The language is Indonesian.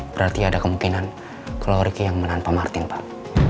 berarti ada kemungkinan kloricky yang menahan pak martin pak